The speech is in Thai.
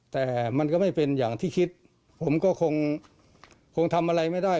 แต่มันก็ไม่เป็นอย่างที่คิดผมก็คงทำอะไรไม่ได้